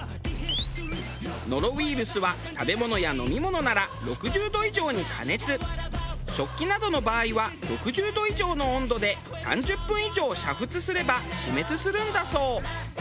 ノロウイルスは食べ物や飲み物なら６０度以上に加熱食器などの場合は６０度以上の温度で３０分以上煮沸すれば死滅するんだそう。